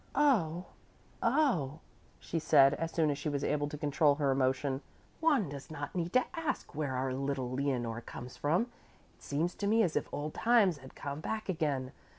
"Oh, oh," she said, as soon as she was able to control her emotion, "one does not need to ask where our little Leonore comes from. It seems to me as if old times had come back again.